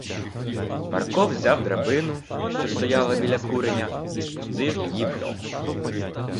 Марко взяв драбину, що лежала біля куреня, і спустив її в льох.